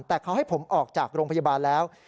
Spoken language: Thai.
แต่เขาให้ผมออกจากโรงพยาบาลแล้ว